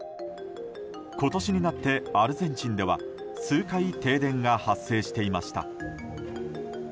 今年になってアルゼンチンでは数回、停電が発生していました。